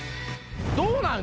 どうなん？